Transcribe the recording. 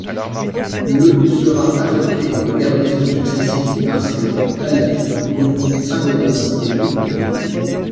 Le sera affecté aux garnisons successives de Marseille, Albi, Lyon, Saint-Gaudens et Toulouse.